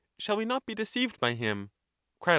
Shall we not be deceived by him? Crat.